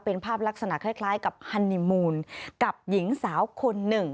เป็นภาพลักษณะคล้ายกับฮันนิมูลกับหญิงสาวคนหนึ่ง